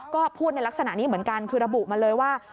ก็พูดในลักษณะนี้เหมือนกันคือระบุมาเลยว่า